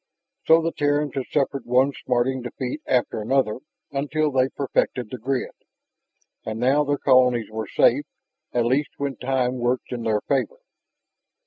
So the Terrans had suffered one smarting defeat after another until they perfected the grid. And now their colonies were safe, at least when time worked in their favor.